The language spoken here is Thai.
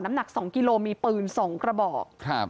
หนัก๒กิโลมีปืน๒กระบอก